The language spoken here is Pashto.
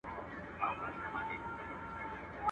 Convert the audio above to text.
بخت په ټنډه دئ، نه په منډه.